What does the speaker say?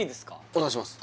お願いします